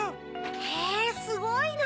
へぇすごいな。